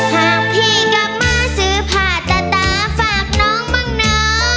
หากพี่กลับมาซื้อผ้าตาตาฝากน้องบ้างนะ